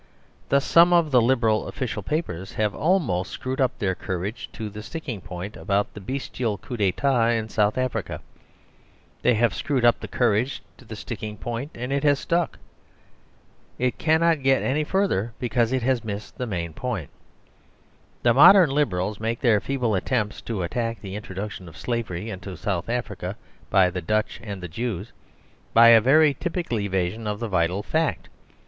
Thus, some of the Liberal official papers have almost screwed up their courage to the sticking point about the bestial coup d'etat in South Africa. They have screwed up their courage to the sticking point; and it has stuck. It cannot get any further; because it has missed the main point. The modern Liberals make their feeble attempts to attack the introduction of slavery into South Africa by the Dutch and the Jews, by a very typical evasion of the vital fact.